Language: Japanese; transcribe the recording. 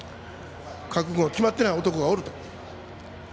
覚悟が決まってない男がおると。